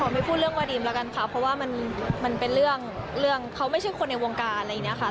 ไม่พูดเรื่องว่าดีมแล้วกันค่ะเพราะว่ามันเป็นเรื่องเขาไม่ใช่คนในวงการอะไรอย่างนี้ค่ะ